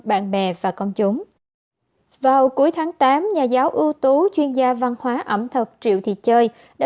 bạn bè và công chúng vào cuối tháng tám nhà giáo ưu tú chuyên gia văn hóa ẩm thực triệu thị chơi đã